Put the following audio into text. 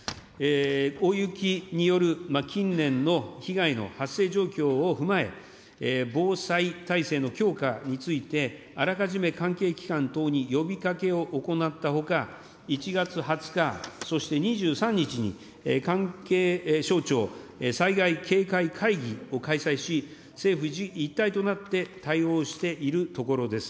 大雪による近年の被害の発生状況を踏まえ、防災体制の強化について、あらかじめ関係機関等に呼びかけを行ったほか、１月２０日、そして２３日に、関係省庁災害警戒会議を開催し、政府一体となって対応しているところです。